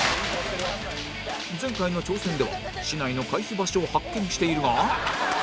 前回の挑戦では竹刀の回避場所を発見しているが